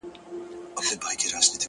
هغه نجلۍ چي هر ساعت به یې پوښتنه کول-